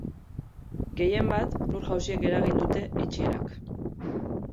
Gehienbat, lur-jausiek eragin dute itxierak.